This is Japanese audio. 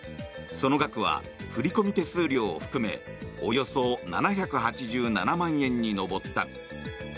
その額は振込手数料を含めおよそ７８７万円に上った。